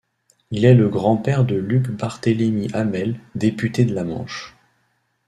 Il est le grand-père de Luc Barthélémy Hamel, député de la Manche.